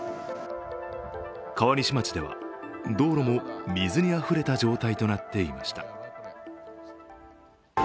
川西町では、道路も水にあふれた状態となっていました。